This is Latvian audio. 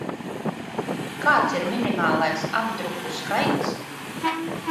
Kāds ir minimālais apdruku skaits?